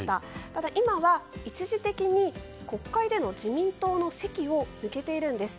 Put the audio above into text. ただ、今は一時的に国会での自民党の籍を抜けているんです。